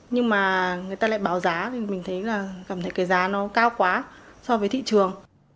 nhưng mà người ta lại bảo giá thế nên mình thấy là cảm thấy cái giá nó cao quá so với thị trường